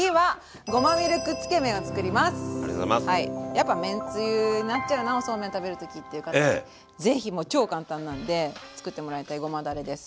やっぱめんつゆになっちゃうなおそうめん食べる時っていう方はね是非もう超簡単なんでつくってもらいたいごまだれです。